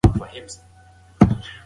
ګرېډي وايي، پراخ لید مهم دی.